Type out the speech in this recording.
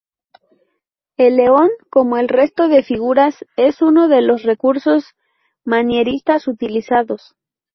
El león, como el resto de figuras, es uno de los recursos manieristas utilizados.